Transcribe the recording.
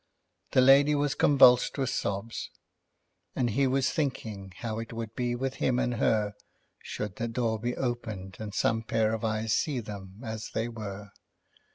The lady was convulsed with sobs, and he was thinking how it would be with him and her should the door be opened and some pair of eyes see them as they were.